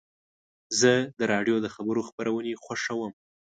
زه د راډیو د خبرو خپرونې خوښوم.